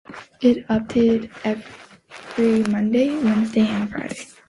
It updates every Monday, Wednesday, and Friday.